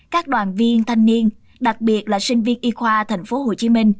các đoàn viên thanh niên đặc biệt là sinh viên y khoa tp hcm